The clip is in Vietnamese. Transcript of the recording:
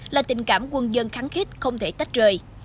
là tình cảm quân dân khắn khít không thể tách rời